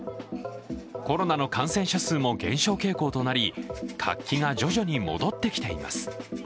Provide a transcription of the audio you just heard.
コロナの感染者数も減少傾向となり、活気が徐々に戻ってきています。